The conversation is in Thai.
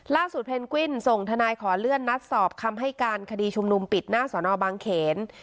เพนกวินส่งทนายขอเลื่อนนัดสอบคำให้การคดีชุมนุมปิดหน้าสอนอบางเขน